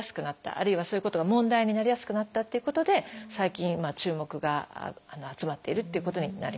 あるいはそういうことが問題になりやすくなったということで最近注目が集まっているっていうことになります。